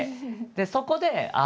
でそこであ